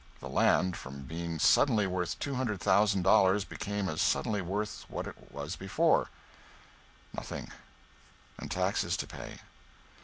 The land, from being suddenly worth two hundred thousand dollars, became as suddenly worth what it was before nothing, and taxes to pay.